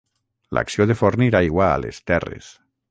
L'acció de fornir aigua a les terres.